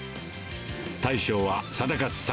対象は、定勝さん